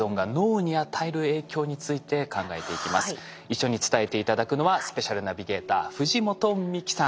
一緒に伝えて頂くのはスペシャルナビゲーター藤本美貴さん。